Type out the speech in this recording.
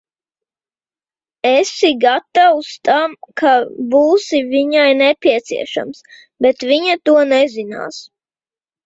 Esi gatavs tam, ka būsi viņai nepieciešams, bet viņa to nezinās.